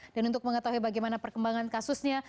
dan untuk mengetahui bagaimana perkembangan kasusnya